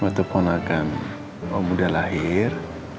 waktu ponakan om udah lahir